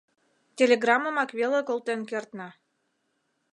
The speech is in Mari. Телеграммымак веле колтен кертна.